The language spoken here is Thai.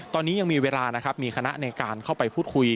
ตอนนี้ยังมีเวลานะครับมีคณะในการเข้าไปพูดคุย